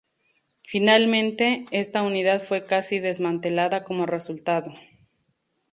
Finalmente, esta unidad fue casi desmantelada como resultado.